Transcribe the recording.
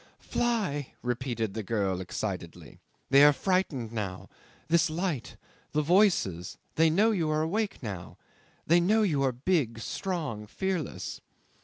"Fly!" repeated the girl excitedly. "They are frightened now this light the voices. They know you are awake now they know you are big, strong, fearless